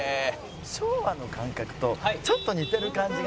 昭和の感覚とちょっと似てる感じがね